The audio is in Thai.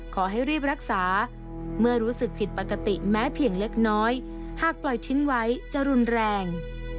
ขอให้รีบรักษาเมื่อรู้สึกผิดปกติแม้เพียงเล็กน้อยหากปล่อยทิ้งไว้จะรุนแรง